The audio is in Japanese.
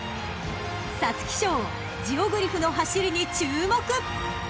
［皐月賞ジオグリフの走りに注目！］